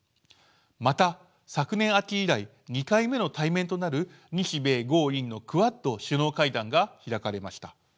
また昨年秋以来２回目の対面となる日米豪印のクアッド首脳会談が開かれました。